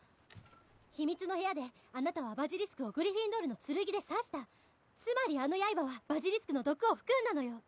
秘密の部屋であなたはバジリスクをグリフィンドールの剣で刺したつまりあの刃はバジリスクの毒を含んだのよ